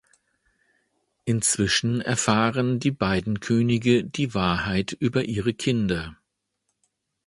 Inzwischen erfahren die beiden Könige die Wahrheit über ihre Kinder.